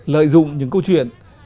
lợi dụng những câu chuyện